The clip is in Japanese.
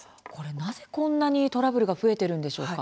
なぜこんなにトラブルが増えているんでしょうか。